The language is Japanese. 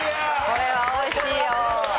これは美味しいよ。